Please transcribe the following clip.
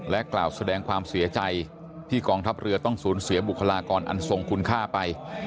กล่าวแสดงความเสียใจที่กองทัพเรือต้องสูญเสียบุคลากรอันทรงคุณค่าไป